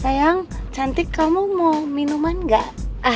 sayang cantik kamu mau minuman enggak